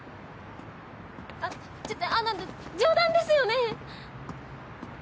あっちょっとあの冗談ですよね？